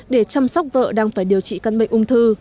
để chăm sóc vợ đang phải điều trị căn bệnh ung thư